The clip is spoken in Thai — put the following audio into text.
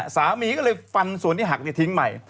สาวมีมีฟันสวนที่หักเลยทิ้งใหม่